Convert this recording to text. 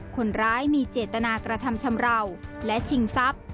คนร้ายมีเจตนากระทำชำราวและชิงทรัพย์